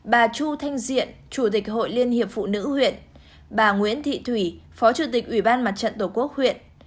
bà chu thanh diện chủ tịch hội liên hiệp phụ nữ huyện bà nguyễn thị thủy phó chủ tịch ủy ban mặt trận tổ quốc huyện